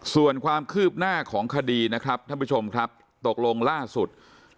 ส่วนความคืบหน้าของคดีนะครับท่านผู้ชมครับตกลงล่าสุด